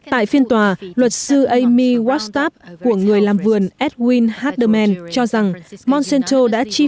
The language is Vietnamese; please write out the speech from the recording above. tại phiên tòa luật sư amy wachter của người làm vườn edwin hardeman cho rằng monsanto đã chi